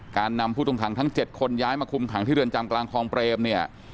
การนำผู้ต้องขังทั้ง๗คนย้ายมาคุมขังที่เรือนจำกลางคลองเปรมเนี่ย